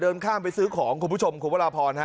เดินข้ามไปซื้อของพวกผู้ชมของโวราพรฮะ